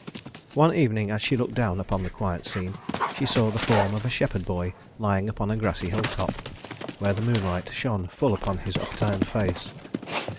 One evening as she looked down upon the quiet scene, she saw the form of a shepherd boy lying upon a grassy hilltop, where the moonlight shone full upon his upturned face.